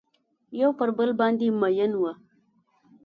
یو پر بل باندې میین وه